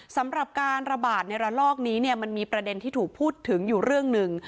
สำหรับการระบาดในระลอกนี้มันมีประเด็นที่ถูกพูดถึงอยู่เรื่องหนึ่ง